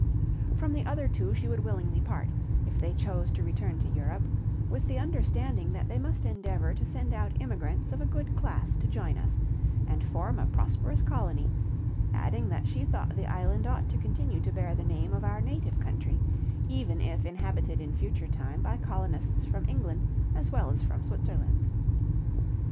From the other two she would willingly part, if they chose to return to Europe, with the understanding that they must endeavor to send out emigrants of a good class to join us, and form a prosperous colony, adding that she thought the island ought to continue to bear the name of our native country, even if inhabited in future time by colonists from England, as well as from Switzerland.